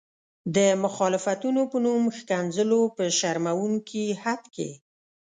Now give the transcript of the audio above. د مخالفتونو په نوم ښکنځلو په شرموونکي حد کې.